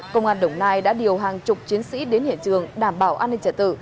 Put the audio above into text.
công an đồng nai đã điều hàng chục chiến sĩ đến hiện trường đảm bảo an ninh trả tự